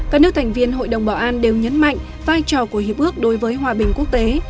các nước thành viên hội đồng bảo an đều nhấn mạnh vai trò của hiệp ước đối với hòa bình quốc tế